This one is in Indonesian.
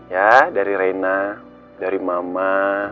ya dari reina dari mama